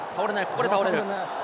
ここで倒れる。